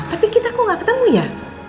tapi kita kok gak ketemu ya